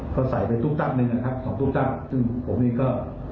ก็ใส่ไปตุ๊กตั๊บเลยนะครับสองตุ๊กตั๊บซึ่งผมเนี้ยก็